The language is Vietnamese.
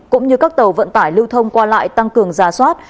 cũng như các tàu vận tải lưu thông qua lại tăng cường giả soát